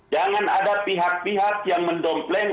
jangan ada pihak pihak yang mendompleng